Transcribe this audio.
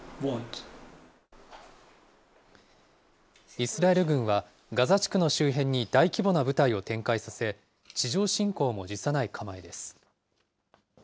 イスラエル軍は、ガザ地区の周辺に大規模な部隊を展開させ、地上侵攻も辞さない構えです。